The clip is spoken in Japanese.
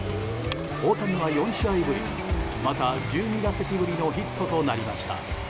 大谷は４試合ぶりまた１２打席ぶりのヒットとなりました。